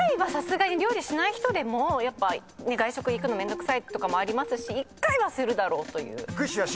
料理しない人でも外食行くのめんどくさいとかもありますし１回はするだろうという。